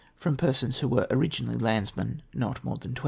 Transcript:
from persons who Avere originally landsmen, not more than 20